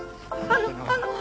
あのあの！